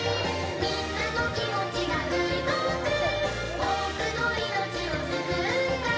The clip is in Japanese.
「みんなのきもちがうごく」「おおくのいのちをすくうんだ」